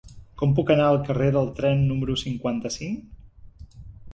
Com puc anar al carrer del Tren número cinquanta-cinc?